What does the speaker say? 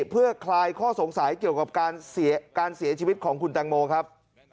เพื่อคลายข้อสงสัยเกี่ยวกับการเสียชีวิตของคุณตังโมครับ